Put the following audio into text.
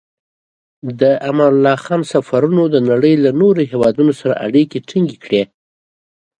د امان الله خان سفرونو د نړۍ له نورو هېوادونو سره اړیکې ټینګې کړې.